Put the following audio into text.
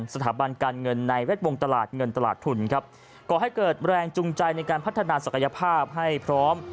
สถาบันการเงินในแวดวงตลาดเงินตลาดทุนครับก่อให้เกิดแรงจูงใจในการพัฒนาศักยภาพให้พร้อม